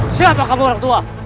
siapa kamu orang tua